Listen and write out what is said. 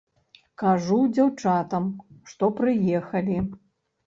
Кажу дзяўчатам, што прыехалі.